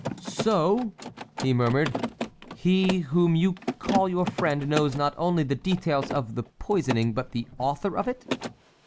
"So," he murmured, "he whom you call your friend knows not only the details of the poisoning, but the author of it?"